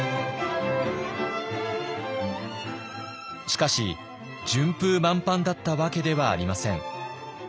しかし順風満帆だったわけではありません。